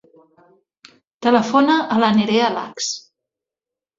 Telefona a la Nerea Lax.